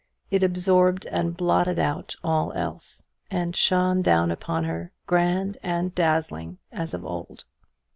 It absorbed and blotted out all else: and shone down upon her, grand and dazzling, as of old.